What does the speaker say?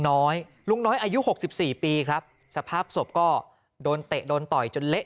น้อยลุงน้อยอายุหกสิบสี่ปีครับสภาพศพก็โดนเตะโดนต่อยจนเละ